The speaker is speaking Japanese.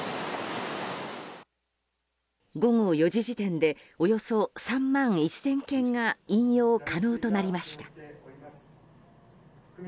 午後４時時点でおよそ３万１０００軒が飲用可能となりました。